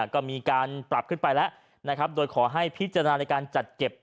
ก็มีการปรับขึ้นไปแล้วนะครับโดยขอให้พิจารณาในการจัดเก็บ